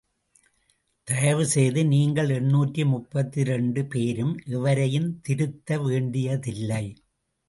தயவு செய்து நீங்கள் எண்ணூற்று முப்பத்திரண்டு பேரும் எவரையும் திருத்த வேண்டியதில்லை.